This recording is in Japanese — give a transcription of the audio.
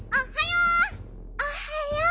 おっはよう！